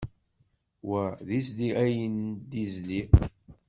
Wa d izli ayen d izli.